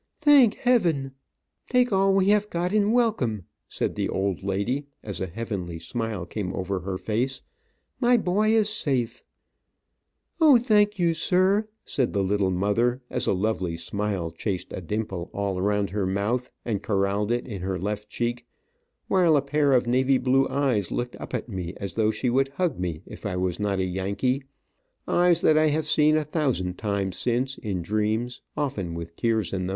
"Thank heaven! Take all we have got in welcome," said the old lady, as a heavenly smile came over her face. "My boy is safe." "O, thank you, sir," said the little mother, as a lovely smile chased a dimple all around her mouth, and corraled it in her left cheek, while a pair of navy blue eyes looked up at me as though she would hug me if I was not a Yankee, eyes that I have seen a thousand times since, in dreams, often with tears in them.